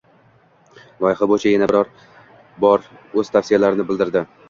Loyiha bo‘yicha yana bir bor o‘z tavsiyalarini bildirdi.